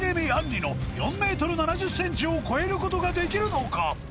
杏利の４ｍ７０ｃｍを超えることができるのか？